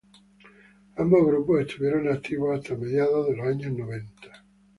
Ambos grupos estuvieron activos hasta mediados de los años noventa.